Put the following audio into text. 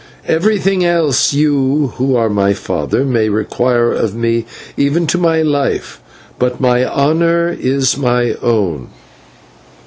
Everything else you, who are my father, may require of me, even to my life, but my honour is my own."